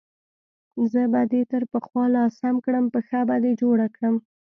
زه به دې تر پخوا لا سم کړم، پښه به دې جوړه کړم.